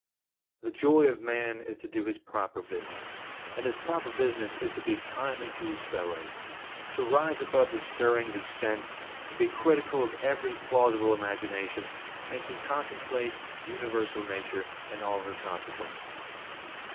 26. The joy of man is to do his proper business. And his proper business is to be kindly to his fellows, to rise above the stirrings of sense, to be critical of every plausible imagination, and to contemplate universal Nature and all her consequences.